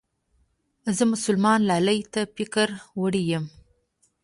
زه مسلمان لالي ته فکر وړې يمه